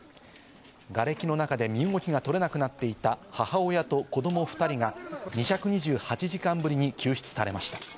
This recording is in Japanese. がれきの中で身動きが取れなくなっていた母親と子供２人が２２８時間ぶりに救出されました。